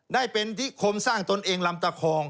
ได้เป็นนิคมสร้างตนเองลำตะคอง